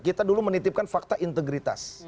kita dulu menitipkan fakta integritas